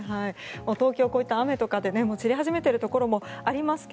東京、こういった雨とかで散り始めているところもありますが。